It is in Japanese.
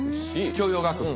教養学部。